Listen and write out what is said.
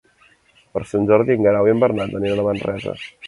Per Sant Jordi en Guerau i en Bernat aniran a Manresa.